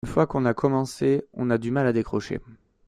Une fois qu'on a commencé on a du mal à décrocher.